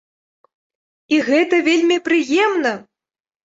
І гэта вельмі прыемна!